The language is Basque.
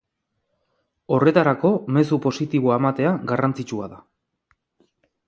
Horretarako, mezu positiboa ematea da garrantzitsua.